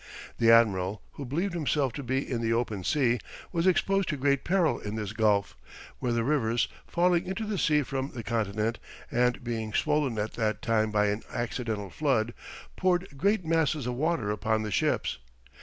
The admiral, who believed himself to be in the open sea, was exposed to great peril in this gulf, where the rivers, falling into the sea from the continent, and being swollen at that time by an accidental flood, poured great masses of water upon the ships.